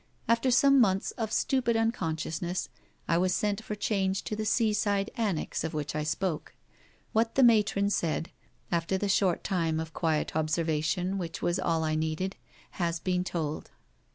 After some months of stupid unconsciousness, I was sent for change to the seaside annexe of which I spoke. What the matron said, after the short time of quiet observation which was all I needed, has been told.